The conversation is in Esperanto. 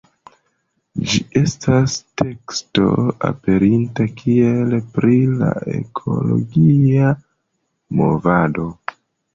Ĝi estas teksto aperinta kiel “Pri la ekologia movado.